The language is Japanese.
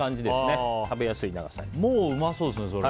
もううまそうですね、それ。